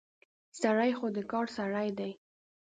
سړی خو د کار سړی دی.